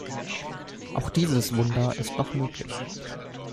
Auch dieses Wunder ist noch möglich.